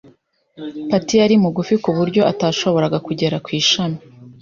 Patty yari mugufi kuburyo atashoboraga kugera ku ishami.